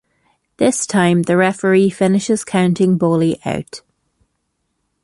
This time the referee finishes counting Bolie out.